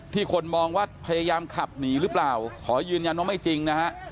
คนมองว่าพยายามขับหนีหรือเปล่าขอยืนยันว่าไม่จริงนะฮะ